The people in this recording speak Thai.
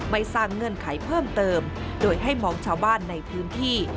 สร้างเงื่อนไขเพิ่มเติมโดยให้มองชาวบ้านในพื้นที่